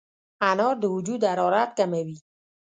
انار د وجود حرارت کموي.